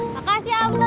makasih mas pur